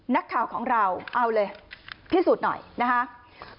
นักข่าวของเราเอาเลยพิสูจน์หน่อยนะครับ